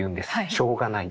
「しょうがない。